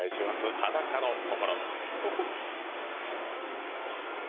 「裸の心」。